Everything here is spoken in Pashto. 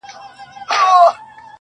که محشر نه دی نو څه دی-